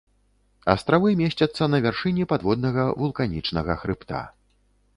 Астравы месцяцца на вяршыні падводнага вулканічнага хрыбта.